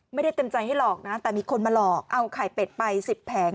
ไม่ได้เต็มใจให้หลอกนะแต่มีคนมาหลอกเอาไข่เป็ดไป๑๐แผง